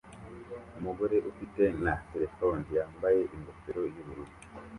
Umugore ufite na terefone yambaye ingofero yubururu